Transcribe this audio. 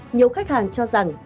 nhiều khách hàng cho rằng